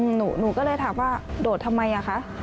หนูก็เลยถามว่าโดดทำไมอ่ะคะ